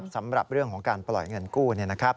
สำหรับเรื่องของการปล่อยเงินกู้